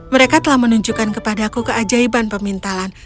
mereka telah menunjukkan kepada aku keajaiban pemintalan